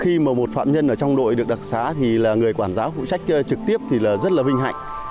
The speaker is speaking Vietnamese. khi mà một phạm nhân ở trong đội được đặc xá thì là người quản giáo phụ trách trực tiếp thì là rất là vinh hạnh